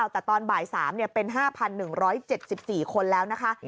แต่ตอนบ่าย๓เป็น๕๑๗๔คนแล้วนะคะ